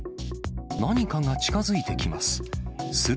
何かが近づいてきます。